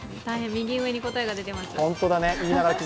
右上に答えが出てます。